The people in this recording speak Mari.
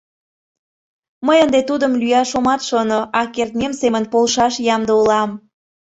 Мый ынде тудым лӱяш омат шоно, а кертмем семын полшаш ямде улам.